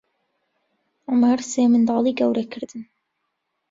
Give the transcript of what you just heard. عومەر سێ منداڵی گەورە کردن.